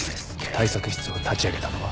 対策室を立ち上げたのは？